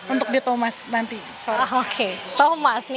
untuk di thomas nanti